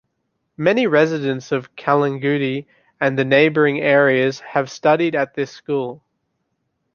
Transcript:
Many residents of Calangute and the neighbouring areas have studied at this school.